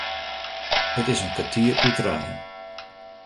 It is in kertier oer trijen.